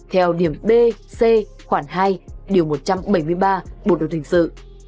theo điểm b c khoảng hai điều một trăm bảy mươi ba bộ đồng thành sự